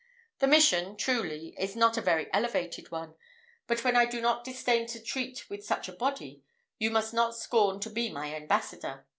The mission, truly, is not a very elevated one; but when I do not disdain to treat with such a body, you must not scorn to be my ambassador.